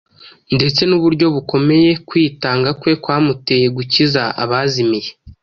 ndetse n’uburyo bukomeye kwitanga kwe kwamuteye gukiza abazimiye